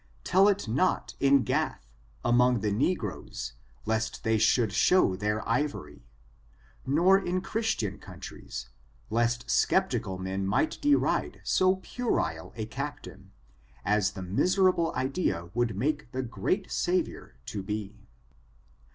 Tell it not in Gath, among the negroes lest they should show their ivory; nor in Christian countries, lest skeptical men might deride so puerile a captain, as the miserable idea would make the great Savior to be.